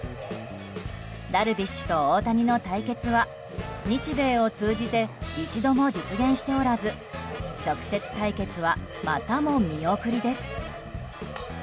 ダルビッシュと大谷の対決は日米を通じて一度も実現しておらず直接対決は、またも見送りです。